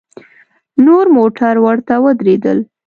نور موټر ورته ودرېدل.